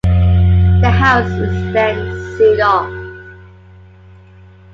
The house is then sealed off.